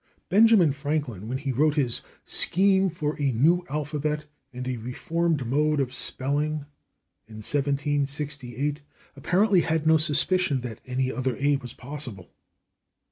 Benjamin Franklin, when he wrote his "Scheme for a New Alphabet and a Reformed Mode of Spelling," in 1768, apparently had no suspicion that any other /a/ was possible.